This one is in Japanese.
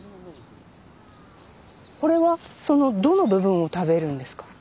これはそのどの部分を食べるんですか？